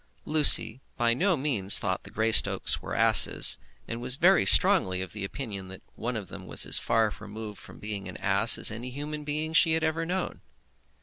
Lucy by no means thought that the Greystocks were asses, and was very strongly of opinion that one of them was as far removed from being an ass as any human being she had ever known.